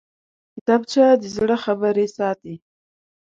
کتابچه د زړه خبرې ساتي